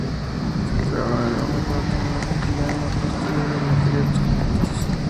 Se trata de un aparato "Muy Liviano" construido en materiales compuestos.